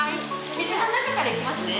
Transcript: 水の中からいきますね。